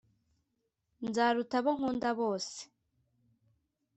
nzaruta abo nkunda bose